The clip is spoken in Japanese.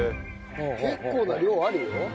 結構な量あるよ？